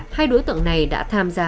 hai đối tượng này đã tham gia